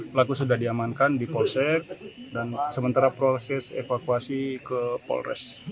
pelaku sudah diamankan di polsek dan sementara proses evakuasi ke polres